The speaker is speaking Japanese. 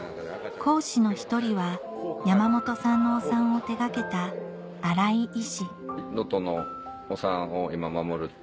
講師の１人は山本さんのお産を手掛けた新井医師